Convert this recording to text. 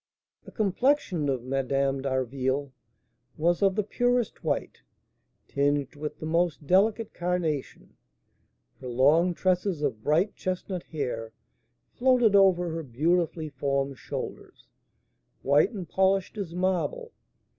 The complexion of Madame d'Harville was of the purest white, tinged with the most delicate carnation; her long tresses of bright chestnut hair floated over her beautifully formed shoulders, white and polished as marble.